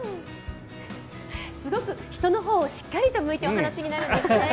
すごく人の方をしっかりと向いてお話になるんですね。